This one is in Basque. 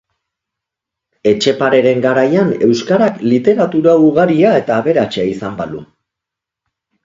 Etxepareren garaian euskarak literatura ugaria eta aberatsa izan balu.